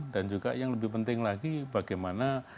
dan juga yang lebih penting lagi bagaimana